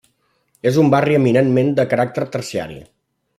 És un barri eminentment de caràcter terciari.